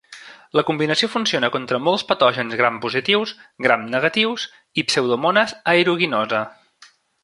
La combinació funciona contra molts patògens gram-positius, gram-negatius i "Pseudomonas aeruginosa".